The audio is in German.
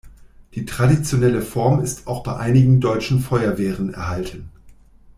Die traditionelle Form ist auch bei einigen deutschen Feuerwehren erhalten.